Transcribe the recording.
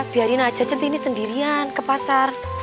biarin aja centini sendirian ke pasar